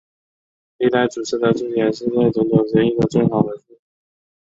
历代祖师的注解是对种种争议的最好回复。